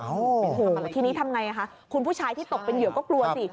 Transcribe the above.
โอ้โหทีนี้ทำไงคะคุณผู้ชายที่ตกเป็นเหยื่อก็กลัวสิ